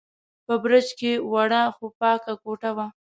په برج کې وړه، خو پاکه کوټه وه.